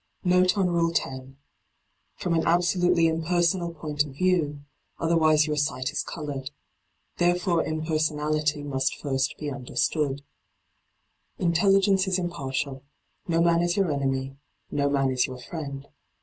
JVbfe on Rule 10. — From an absolutely im personal point of view, otherwise your sight is coloured. Therefore impersonality must first be understood. Intelligence is impartial: no man is your enemy: no man is your friend.